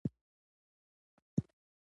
د نجونو تعلیم د تخنیکي مهارتونو وده ده.